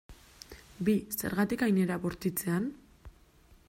Bi, zergatik hain era bortitzean?